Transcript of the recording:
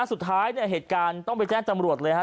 สุดท้ายเนี่ยเหตุการณ์ต้องไปแจ้งจำรวจเลยฮะ